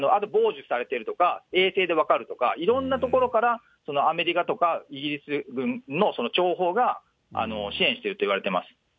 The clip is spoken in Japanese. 傍受されているとか、衛星で分かるとか、いろんなところからアメリカとかイギリス軍の諜報が支援してるといわれてます。